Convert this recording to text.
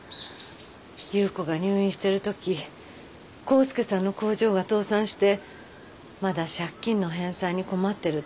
夕子が入院してるとき孝介さんの工場が倒産してまだ借金の返済に困ってるって聞いたので。